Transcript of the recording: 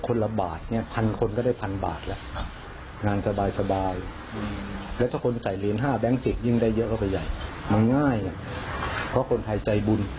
คนไทยใจบุญเห็นก็เอ้า